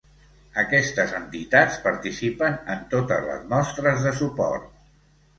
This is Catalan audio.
Aquestes entitats participen en totes les mostres de suport.